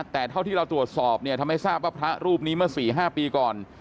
แต่เท่าที่เราตรวจสอบเนี่ยทำให้ทราบว่าพระรูปนี้เมื่อ๔๕ปีก่อน